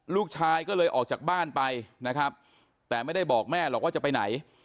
ลูกชายก็เลยออกจากบ้านไปนะครับแต่ไม่ได้บอกแม่หรอกว่าจะไปไหน